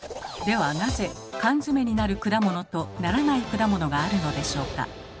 ではなぜ缶詰になる果物とならない果物があるのでしょうか。